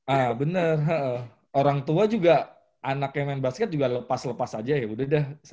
ah bener orang tua juga anak yang main basket juga lepas lepas aja ya udah deh